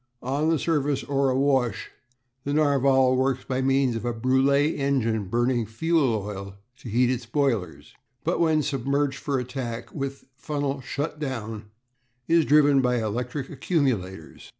On the surface or awash the Narval works by means of a Brulé engine burning oil fuel to heat its boilers; but when submerged for attack with funnel shut down is driven by electric accumulators.